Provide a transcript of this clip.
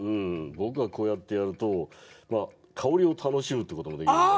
僕はこうやってやると香りを楽しむってこともできるからね。